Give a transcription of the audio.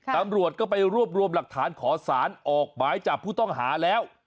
ตำรวจก็ไปรวบรวมหลักฐานขอสารออกหมายจับผู้ต้องหาแล้ว